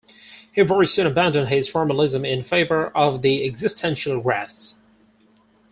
He very soon abandoned this formalism in favor of the existential graphs.